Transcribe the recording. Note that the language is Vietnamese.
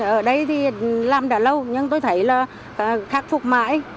ở đây thì làm đã lâu nhưng tôi thấy là khắc phục mãi